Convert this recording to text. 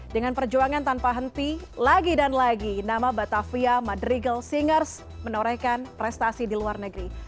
dengan perjuangan tanpa henti lagi dan lagi nama batavia madrigal singers menorehkan prestasi di luar negeri